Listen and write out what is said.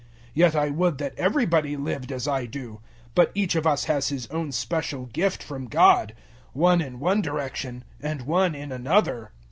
007:007 Yet I would that everybody lived as I do; but each of us has his own special gift from God one in one direction and one in another.